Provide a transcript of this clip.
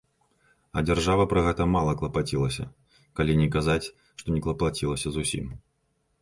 А дзяржава пра гэта мала клапацілася, калі не казаць, што не клапацілася зусім.